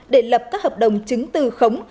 để lập các hợp đồng chứng từ khống